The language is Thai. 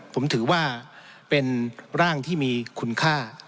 ผมถือว่าเป็นร่างที่มีคุณค่า